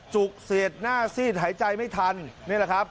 จุกเสียดหน้าซีดหายใจไม่ทันนี่แหละครับ